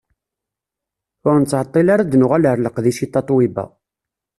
Ur nettɛeṭṭil ara ad d-nuɣal ar leqdic i Tatoeba.